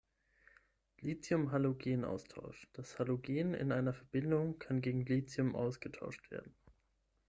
Lithium-Halogen-Austausch: Das Halogen in einer Verbindung kann gegen Lithium ausgetauscht werden.